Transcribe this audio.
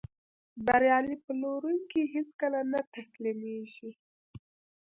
بریالی پلورونکی هیڅکله نه تسلیمېږي.